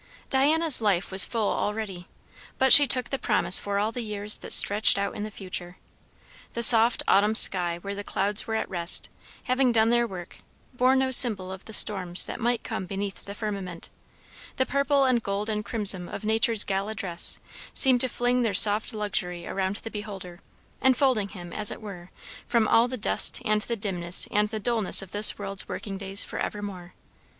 Diana's life was full already; but she took the promise for all the years that stretched out in the future. The soft autumn sky where the clouds were at rest, having done their work, bore no symbol of the storms that might come beneath the firmament; the purple and gold and crimson of nature's gala dress seemed to fling their soft luxury around the beholder, enfolding him, as it were, from all the dust and the dimness and the dullness of this world's working days for evermore.